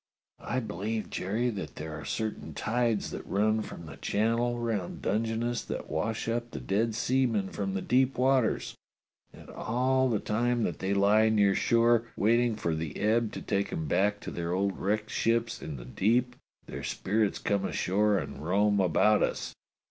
"I believe, Jerry, that there are certain tides that run from the Channel round Dungeness that wash up the dead seamen from the deep waters, and all the time that they lie near shore waiting for the ebb to take 'em back to their old wrecked ships in the deep their spirits come ashore and roam about us.